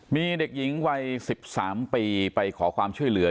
มีเด็กหญิงวัย๑๓ปีไปขอความช่วยเหลือ